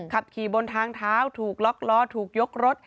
ขับขี่บนทางเท้าถูกล็อกล้อถูกยกรถ